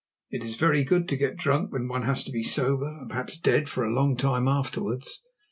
It is very good to get drunk when one has to be sober, and perhaps dead, for a long time afterwards.